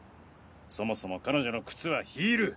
そもそも彼女の靴はヒール。